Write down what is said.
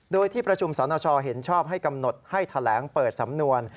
โดยที่ประชุมสนชเห็นชอบให้กำหนดให้แถลงเปิดสำนวน